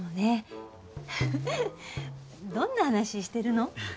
どんな話してるの？